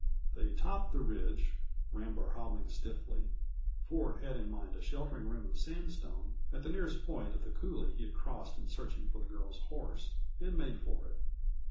They topped the ridge, Rambler hobbling stiffly. Ford had in mind a sheltering rim of sandstone at the nearest point of the coulée he had crossed in searching for the girl's horse, and made for it.